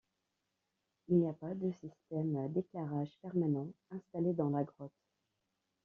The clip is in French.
Il n'y a pas de système d'éclairage permanent installé dans la grotte.